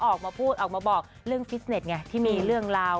ออกมาพูดออกมาบอกเรื่องฟิตเน็ตไงที่มีเรื่องราว